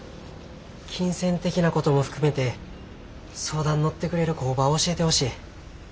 金銭的なことも含めて相談乗ってくれる工場教えてほしい。